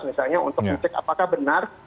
misalnya untuk ngecek apakah benar